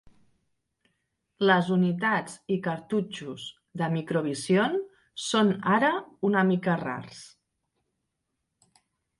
Les unitats i cartutxos de Microvision són ara una mica rars.